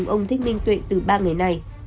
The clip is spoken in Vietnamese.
ông thích minh tuệ từ ba ngày này